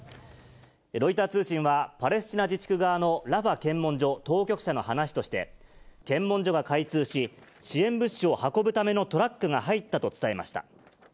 ロイター通信は、パレスチナ自治区側のラファ検問所当局者の話として、検問所が開通し、支援物資を運ぶためのトラックが入ったと伝えました。